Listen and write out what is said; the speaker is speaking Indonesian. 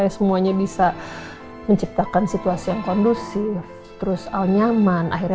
semuanya bisa menciptakan situasi yang kondusif terus nyaman akhirnya